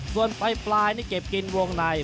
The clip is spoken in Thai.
ส่วนปลายนี่เก็บกินวงใน